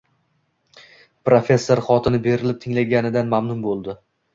Professor xotini berilib tinglaganidan mamnun bo`ldi